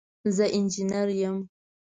زه انجنیره یم.